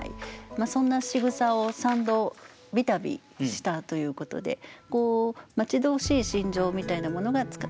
そんなしぐさを三度したということで待ち遠しい心情みたいなものが伝わってまいります。